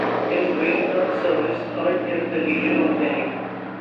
His Vietnam service earned him the Legion of Merit.